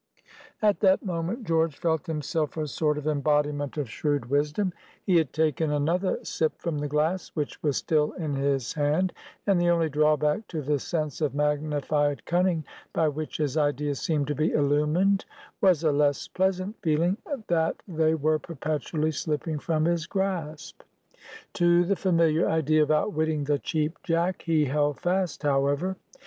At that moment, George felt himself a sort of embodiment of shrewd wisdom; he had taken another sip from the glass, which was still in his hand, and the only drawback to the sense of magnified cunning by which his ideas seemed to be illumined was a less pleasant feeling that they were perpetually slipping from his grasp. To the familiar idea of outwitting the Cheap Jack he held fast, however.